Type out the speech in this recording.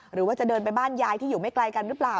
หรือว่าจะเดินไปบ้านยายที่อยู่ไม่ไกลกันหรือเปล่า